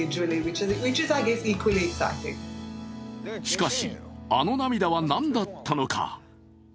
しかし、あの涙は何だったのか？